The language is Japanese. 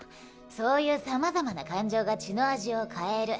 そういう様々な感情が血の味を変える。